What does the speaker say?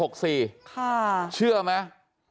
ค่ะเชื่อไหม